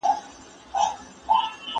ماشومان باید له بدو کارونو څخه لرې وساتل شي.